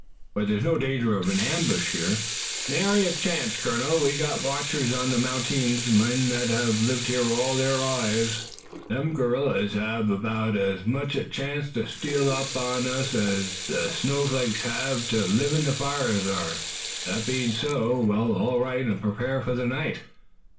But there's no danger of an ambush here?" "Nary a chance, colonel. We've got watchers on the mountings, men that hev lived here all thar lives, an' them gorillers hev about ez much chance to steal up on us ez the snowflakes hev to live in the fires thar." "That being so, we'll all alight and prepare for the night."